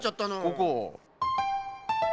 ここ。